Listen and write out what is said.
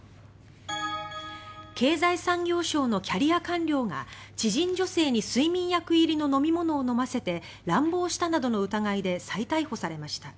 経済産業省のキャリア官僚が知人女性に睡眠薬入りの飲み物を飲ませて乱暴したなどの疑いで再逮捕されました。